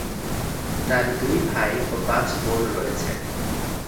তার দুই ভাই ও পাঁচ বোন রয়েছে।